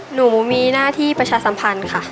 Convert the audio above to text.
หนูมีหน้าที่ประชาสัมพันธ์ค่ะ